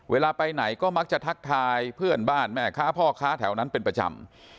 เวลาไปไหนก็มักจะทักทายเพื่อนบ้านแม่ค้าพ่อค้าแถวนั้นเป็นประจำ